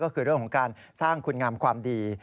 ก็คือเรื่องของการสร้างคุณงามความดี